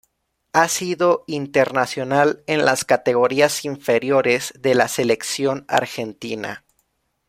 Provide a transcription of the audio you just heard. Ha sido internacional en las categorías inferiores de la selección argentina.